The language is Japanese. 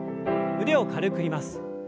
腕を軽く振ります。